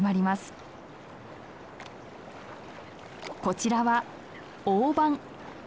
こちらはオオバン。